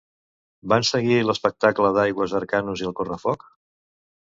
Van seguir l'espectacle d'aigua Arcanus i el correfoc.